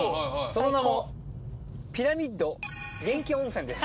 その名もピラミッド元氣温泉です。